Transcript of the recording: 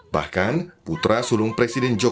bahkan putra sulung presiden jokowi